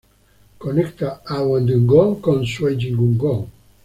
Conecta Haeundae-gu con Suyeong-gu.